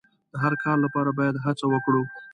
د هر کار لپاره باید هڅه وکړو.